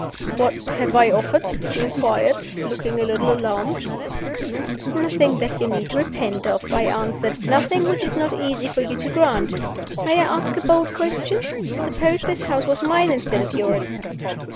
"What have I offered?" he inquired, looking a little alarmed. "Nothing that you need repent of," I answered; "nothing which is not easy for you to grant. May I ask a bold question? Suppose this house was mine instead of yours?"